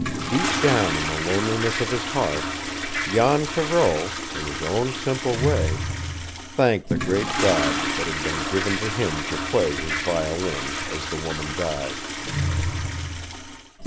Deep down in the loneliness of his heart, Jan Thoreau, in his own simple way, thanked the great God that it had been given to him to play his violin as the woman died.